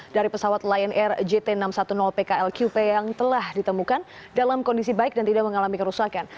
dari pesawat lion air jt enam ratus sepuluh pklqp yang telah ditemukan dalam kondisi baik dan tidak mengalami kerusakan